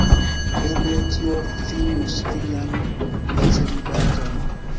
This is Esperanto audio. Eble tio finus vian celibaton.